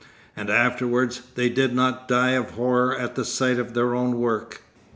And afterwards they did not die of horror at the sight of their own work!